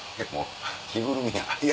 着ぐるみやん。